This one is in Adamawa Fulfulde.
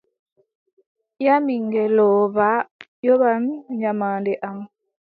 Ƴami ngeelooba: yoɓan nyamaande am.